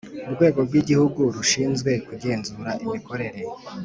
Urwego rwi Igihugu rushinzwe kugenzura imikorere